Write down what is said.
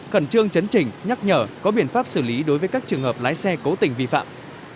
khẩn trương chấn chỉnh nhắc nhở có biện pháp xử lý đối với các trường hợp lái xe cố tình vi phạm